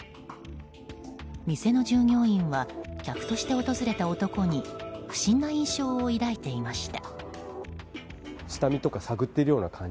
店の従業員は客として訪れた男に不審な印象を抱いていました。